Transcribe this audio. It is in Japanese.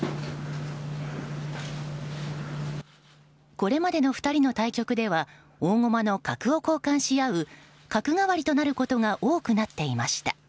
これまでの２人の対局では大駒の角を交換し合う角換わりとなることが多くなっていました。